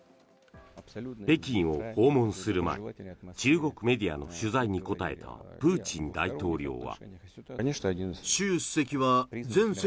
北京を訪問する前中国メディアの取材に答えたプーチン大統領は。